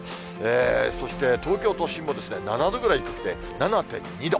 そして東京都心も７度ぐらい低くて、７．２度。